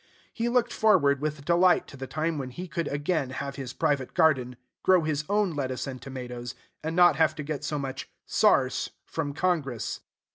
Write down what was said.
He looked forward with delight to the time when he could again have his private garden, grow his own lettuce and tomatoes, and not have to get so much "sarce" from Congress.